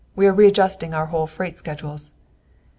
We are readjusting our whole freight schedules!"